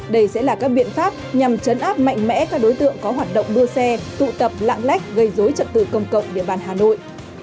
đây sẽ là các biện pháp nhằm chấn áp mạnh mẽ các đối tượng có hoạt động đua xe tụ tập lạng lách gây dối trật tự công cộng địa bàn hà nội